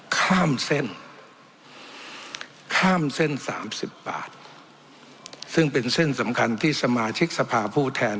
ข้ามเส้นข้ามเส้นสามสิบบาทซึ่งเป็นเส้นสำคัญที่สมาชิกสภาผู้แทน